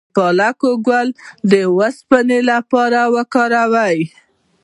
د پالک ګل د اوسپنې لپاره وکاروئ